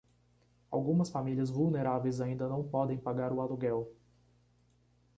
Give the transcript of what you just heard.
Algumas famílias vulneráveis ainda não podem pagar o aluguel